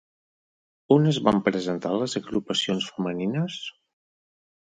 On es van presentar les Agrupacions Femenines?